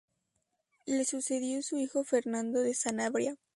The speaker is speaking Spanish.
Le sucedió su hijo Fernando de Sanabria.